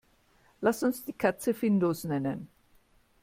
Lass uns die Katze Findus nennen.